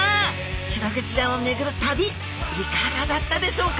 シログチちゃんを巡る旅いかがだったでしょうか？